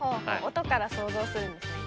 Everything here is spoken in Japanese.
音から想像するんですね。